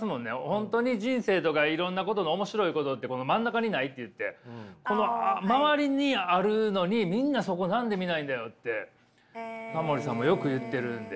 本当に人生とかいろんなことの面白いことってこの真ん中にないと言ってこの周りにあるのにみんなそこを何で見ないんだよってタモリさんもよく言ってるんで。